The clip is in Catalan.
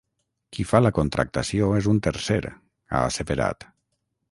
Qui fa la contractació és un tercer, ha asseverat.